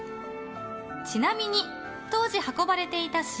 ちなみに、当時運ばれていた塩